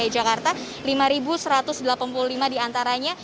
hingga tiga belas desember sudah terisi